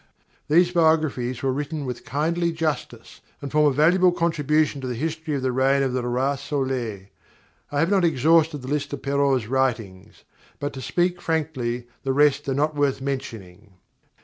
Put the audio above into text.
These biographies are written with kindly justice, and form a valuable contribution to the history of the reign of the Roi Soleil. I have not exhausted the list of Perrault's writings, but, to speak frankly, the rest are not worth mentioning.